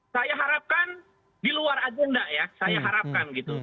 saya harapkan di luar agenda ya saya harapkan gitu